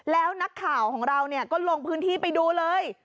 แล้วนักข่าวของเราก็ลงพื้นที่ไปดูเลย